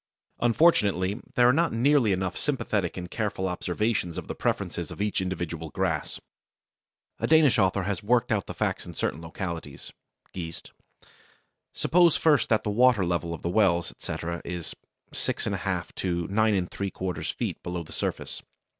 Unfortunately there are not nearly enough sympathetic and careful observations of the preferences of each individual grass. A Danish author has worked out the facts in certain localities (Geest). Suppose first that the water level of the wells, etc., is 6 1/2 to 9 3/4 feet below the surface.